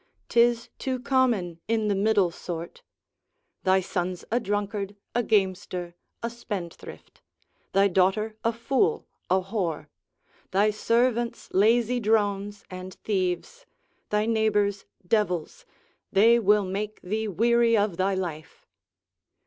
'Tis too common in the middle sort; thy son's a drunkard, a gamester, a spendthrift; thy daughter a fool, a whore; thy servants lazy drones and thieves; thy neighbours devils, they will make thee weary of thy life.